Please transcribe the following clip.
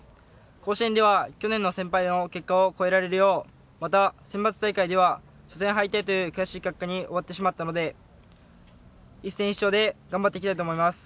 甲子園では、去年の先輩の結果を超えられるよう、また選抜大会では初戦敗退という悔しい結果に終わってしまったので一戦必勝で頑張っていきたいと思います。